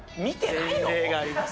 前例があります。